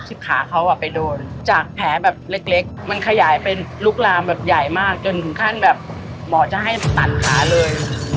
ขาเขาไปโดนจากแผลแบบเล็กมันขยายเป็นลุกลามแบบใหญ่มากจนถึงขั้นแบบหมอจะให้ตัดขาเลย